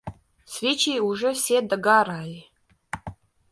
Свечи уже все догорали.